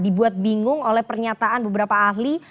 dibuat bingung oleh pernyataan beberapa ahli